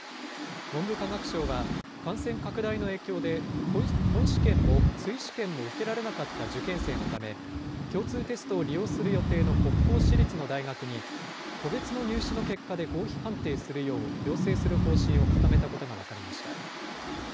文部科学省は、感染拡大の影響で、本試験も追試験も受けられなかった受験生のため、共通テストを利用する予定の国公私立の大学に個別の入試の結果で合否判定するよう要請する方針を固めたことが分かりました。